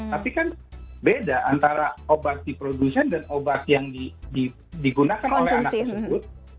tapi kan beda antara obat di produsen dan obat yang digunakan oleh anak tersebut